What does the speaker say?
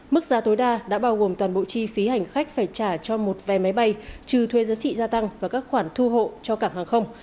mức giá tối đa đã bao gồm toàn bộ chi phí hành khách phải trả cho một vé máy bay trừ thuê giá trị gia tăng và các khoản thu hộ cho cảng hàng không